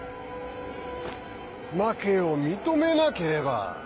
負けを認めなければ。